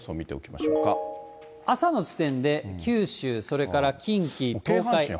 朝の時点で九州、それから近畿、東海。